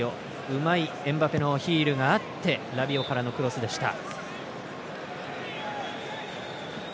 うまいエムバペのヒールがあってラビオからのクロスでした。